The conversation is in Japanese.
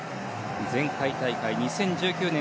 前回大会２０１９年